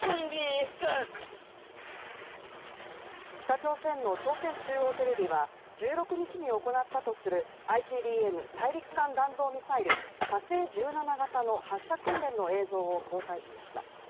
北朝鮮の朝鮮中央テレビは、１６日に行ったとされるＩＣＢＭ＝大陸間弾道ミサイル火星１７型の発射訓練の映像を公開しました。